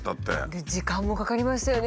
で時間もかかりましたよね